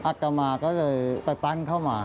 อัตมาก็เลยไปปั้นเข้ามา